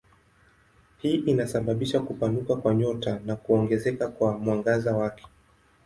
Hii inasababisha kupanuka kwa nyota na kuongezeka kwa mwangaza wake.